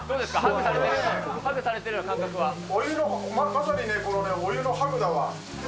まさにね、お湯のハグだわ。